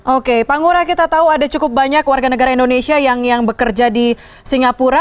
oke pak ngurah kita tahu ada cukup banyak warga negara indonesia yang bekerja di singapura